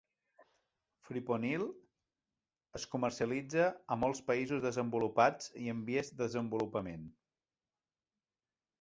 Fipronil es comercialitza a molts països desenvolupats i en vies de desenvolupament.